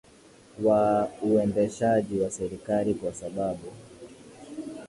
wa uendeshaji wa serikali kwa sababu